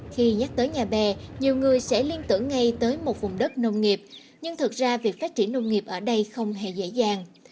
khi nhắc tới nhà bè nhiều người sẽ liên tưởng ngay tới một vùng đất nông nghiệp nhưng thực ra việc phát triển nông nghiệp ở đây không hề dễ dàng